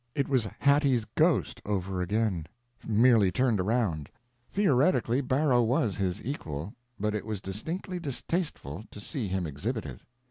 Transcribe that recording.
It was Hattie's ghost over again, merely turned around. Theoretically Barrow was his equal, but it was distinctly distasteful to see him exhibit it.